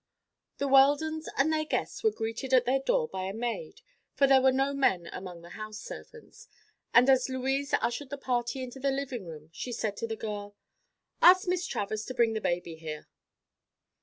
The Weldons and their guests were greeted at their door by a maid, for there were no men among the house servants, and as Louise ushered the party into the living room she said to the girl: "Ask Miss Travers to bring the baby here."